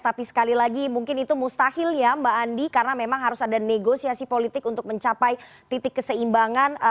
tapi sekali lagi mungkin itu mustahil ya mbak andi karena memang harus ada negosiasi politik untuk mencapai titik keseimbangan